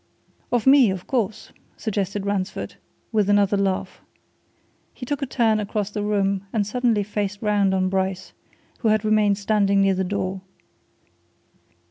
"Of me, of course," suggested Ransford, with another laugh. He took a turn across the room and suddenly faced round on Bryce, who had remained standing near the door.